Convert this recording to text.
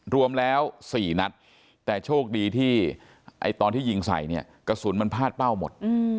รวมแล้ว๔นัดแต่โชคดีที่ตอนที่ยิงใส่เนี่ยกระสุนมันพาดเป้าหมด